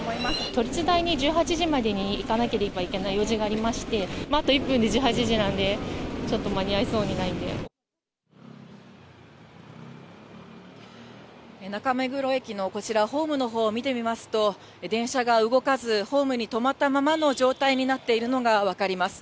都立大に１８時までに行かなければいけない用事がありまして、あと１分で１８時なので、ちょっ中目黒駅のこちら、ホームのほうを見てみますと、電車が動かず、ホームに止まったままの状態になっているのが分かります。